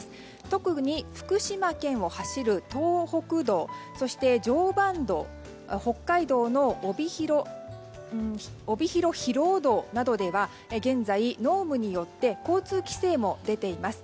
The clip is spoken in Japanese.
特に福島県を走る東北道そして常磐道、北海道の帯広など現在、濃霧によって交通規制も出ています。